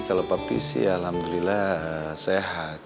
kalo papi sih alhamdulillah sehat